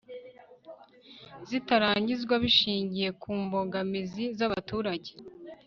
zitarangizwa bishingiye ku mbogamizi z abaturage